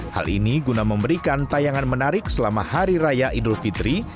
hal ini guna memberikan tayangan menarik selama hari raya idul fitri